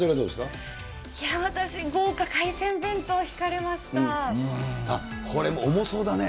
いや私、豪華海鮮弁当引かれこれも重そうだね。